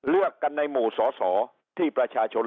เลือกกันในหมู่สอสอที่ประชาชน